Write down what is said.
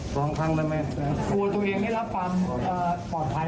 กลัวตัวเองได้รับฟังปลอดภัยมั้ย